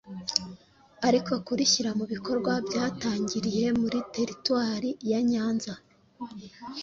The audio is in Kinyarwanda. ariko kurishyira mu bikorwa byatangiriye muri Teritwari ya Nyanza